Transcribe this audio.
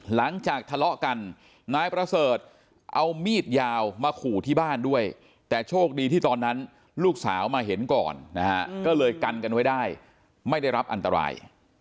หลังจากทะเลาะกันนายประเสริฐเอามีดยาวมาขู่ที่บ้านด้วยแต่โชคดีที่ตอนนั้นลูกสาวมาเห็นก่อนนะฮะก็เลยกันกันไว้ได้ไม่ได้รับอันตราย